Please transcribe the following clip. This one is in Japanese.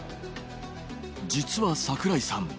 実は櫻井さん